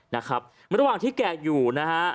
นะครับระหว่างที่แก่อยู่นะฮะ